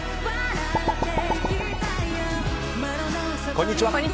こんにちは。